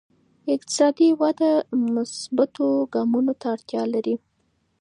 اقتصادي وده مثبتو ګامونو ته اړتیا لري.